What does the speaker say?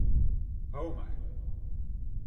Ho mar.